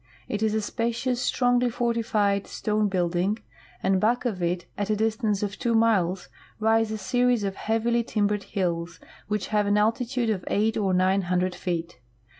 It is a spacious, strongly forti fied, stone building, and back of it at a distance of two miles rise a series of heavily timbered hills, which have an altitude of eight or nine hundred feet.